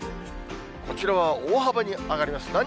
こちらは大幅に上がります。